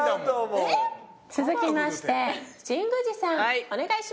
えっ？続きまして神宮寺さんお願いします。